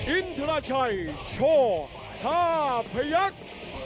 อินทราชัยโชว์ภาพยักษ์